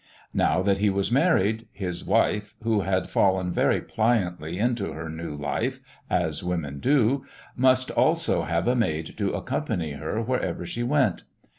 Now that he was married, his wife who had fallen very pliantly into her new life, as women do must also have a maid to accompany her wherever she went.